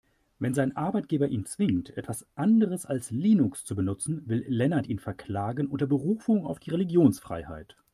Wenn sein Arbeitgeber ihn zwingt, etwas anderes als Linux zu benutzen, will Lennart ihn verklagen, unter Berufung auf die Religionsfreiheit.